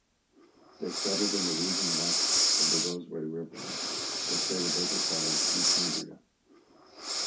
They settled in the region west of the Roseway river, which they would later call New Cambria.